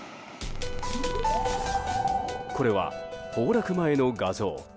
これは、崩落前の画像。